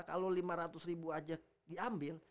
kalau lima ratus ribu aja diambil